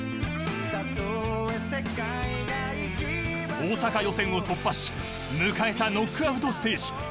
大阪予選を突破し迎えたノックアウトステージ。